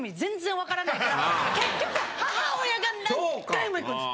結局母親が何回も行くんです。